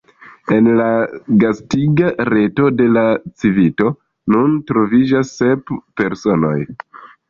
En la gastiga reto de la Civito nun troviĝas sep personoj.